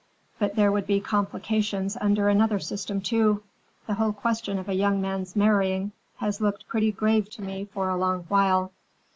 "But there would be complications under another system, too. The whole question of a young man's marrying has looked pretty grave to me for a long while.